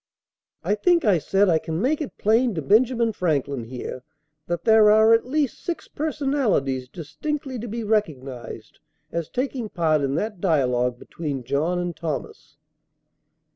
] I think, I said, I can make it plain to Benjamin Franklin here, that there are at least six personalities distinctly to be recognized as taking part in that dialogue between John and Thomas.